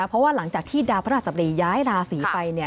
เพราะว่าหลังจากที่ดาวพระราชสบรีย้ายราศีไป